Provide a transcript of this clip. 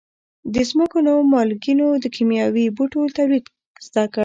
د ځمکو نویو مالکینو د کیمیاوي بوټو تولید زده کړ.